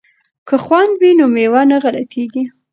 که خوند وي نو مېوه نه غلطیږي.